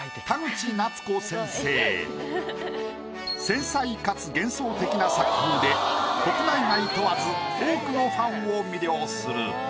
繊細かつ幻想的な作風で国内外問わず多くのファンを魅了する。